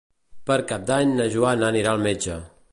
Per Cap d'Any na Joana anirà al metge.